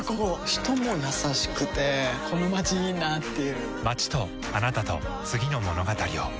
人も優しくてこのまちいいなぁっていう